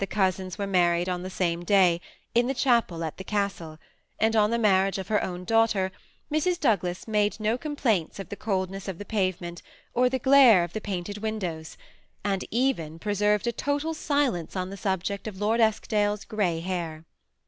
ooasins were married on the same day, in the chapel at the castle ; and on the marriage of her own daughter, Mrs. Douglas made no complaints of the coldness of the pavement, or the glare of the painted windows; and even preserved a total silence on the subject of Lord E^kdale's gray hair.